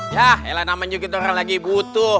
yah elah nama juga kita lagi butuh